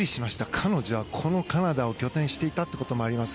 彼女はカナダを拠点にしていたということもあります。